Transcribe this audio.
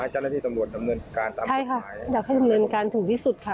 ใช่ค่ะอยากให้จำนวนการถึงที่สุดค่ะ